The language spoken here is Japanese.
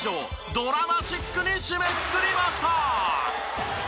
ドラマチックに締めくくりました！